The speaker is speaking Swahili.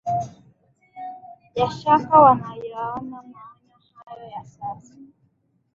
ya shaka wanayaona maonyo hayo ya sasa